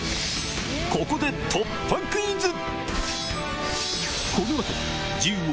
ここで突破クイズ！